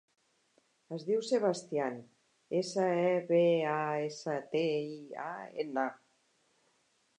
Es diu Sebastian: essa, e, be, a, essa, te, i, a, ena.